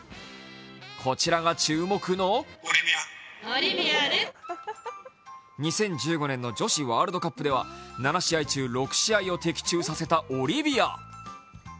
こちらが注目の２０１５年の女子ワールドカップでは７試合中６試合を的中させたオリビア。